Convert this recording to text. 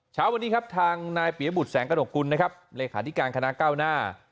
เช้าวันนี้ครับทางนายเปียบุตรแสงกระหกกุลนะครับเลขาธิการคณะเก้าหน้า